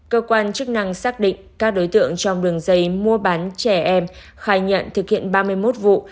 cơ quan chức năng xác định các đối tượng trong đường dây mua bán trẻ em khai nhận thực hiện ba mươi một vụ